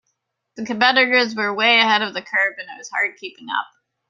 The competitors were way ahead of the curve and it was hard keeping up.